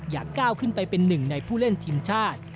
ก้าวขึ้นไปเป็นหนึ่งในผู้เล่นทีมชาติ